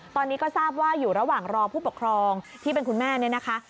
ตอนนี้ก็ทราบว่าอยู่ระหว่างรอผู้ปกครองที่เป็นคุณแม่เนี่ยนะคะ